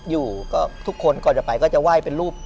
อยู่กับทุกคนก่อนจะไปก็จะไหว้เป็นรูป